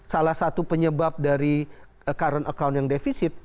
salah satu penyebab dari current accounting deficit